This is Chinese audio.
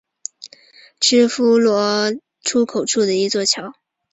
持斧罗摩池桥位于印度最东北部的鲁西特河出山口处的一座桥。